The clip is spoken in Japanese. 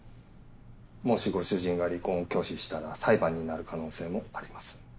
もしご主人が離婚を拒否したら裁判になる可能性もあります。